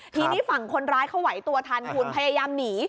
ทีนี้ฝั่งคนร้ายเขาไหวตัวทันคุณพยายามหนี